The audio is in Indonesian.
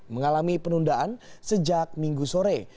mengalami penundaan sejak minggu sore